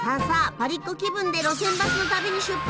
パリっ子気分で路線バスの旅に出発！